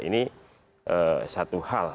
ini satu hal